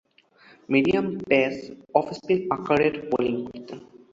Medium pace off spin আকারের bowling করতেন।